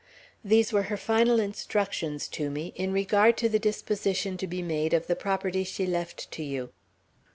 These were her final instructions to me, in regard to the disposition to be made of the property she left to you."